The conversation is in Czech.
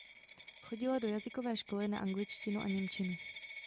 Chodila do jazykové školy na angličtinu a němčinu.